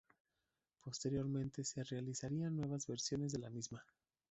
Posteriormente se realizarían nuevas versiones de la misma.